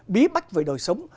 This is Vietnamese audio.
bí bách về đời sống